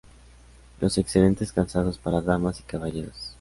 Los excelentes calzados para damas y caballeros.